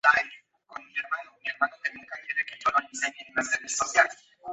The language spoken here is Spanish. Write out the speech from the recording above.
Luis X permitió a sus hijos tomar posesión de la herencia de su padre.